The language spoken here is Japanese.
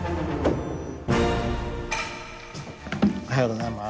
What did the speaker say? おはようございます。